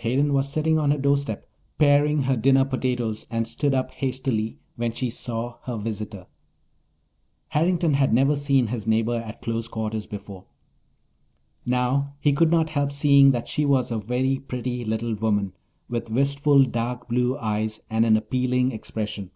Hayden was sitting on her doorstep, paring her dinner potatoes, and stood up hastily when she saw her visitor. Harrington had never seen his neighbour at close quarters before. Now he could not help seeing that she was a very pretty little woman, with wistful, dark blue eyes and an appealing expression.